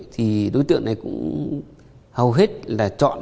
thì đối tượng này cũng hầu hết là chọn